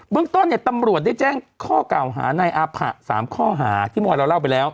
เมืองต้นเนี่ยตำรวจได้แจ้งข้อเก่าหาในอาผะ๓ข้อหาที่มัวเราเล่าไปแล้ว